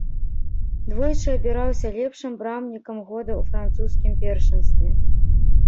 Двойчы абіраўся лепшым брамнікам года ў французскім першынстве.